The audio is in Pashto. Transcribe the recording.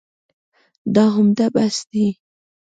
دا عمده بحث دی.